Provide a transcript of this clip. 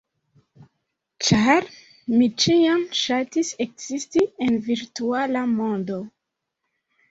ĉar mi ĉiam ŝatis ekzisti en virtuala mondo.